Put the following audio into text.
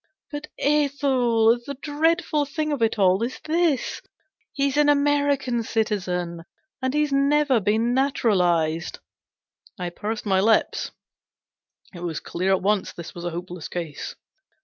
But, Ethel, the dreadful thing of it all is this he's an American citizen, and he's never been naturalized !" I pursed my lips. It was clear at once this was a hopeless case.